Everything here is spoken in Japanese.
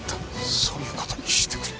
そういうことにしてくれ。